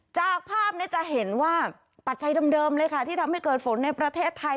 จากภาพนี้จะเห็นว่าปัจจัยเดิมเลยค่ะที่ทำให้เกิดฝนในประเทศไทย